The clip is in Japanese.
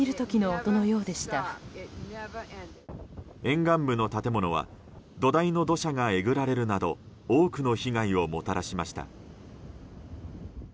沿岸部の建物は土台の土砂がえぐられるなど多くの被害をもたらしました。